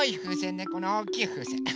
ねこのおおきいふうせん。